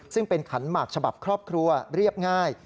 ซึ่งเป็นขันหมากฉบับครอบครัวเรียบง่าย